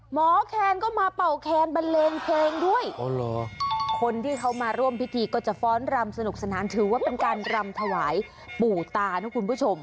แคนก็มาเป่าแคนบันเลงเพลงด้วยคนที่เขามาร่วมพิธีก็จะฟ้อนรำสนุกสนานถือว่าเป็นการรำถวายปู่ตานะคุณผู้ชม